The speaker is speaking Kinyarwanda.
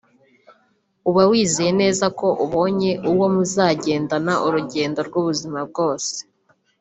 uba wizeye neza ko ubonye uwo muzagendana urugendo rw’ubuzima bwose